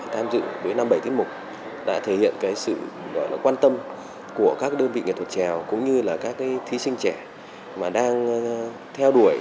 tham dự với năm bảy thí mục đã thể hiện cái sự quan tâm của các đơn vị nghệ thuật trẻ cũng như là các thí sinh trẻ mà đang theo đuổi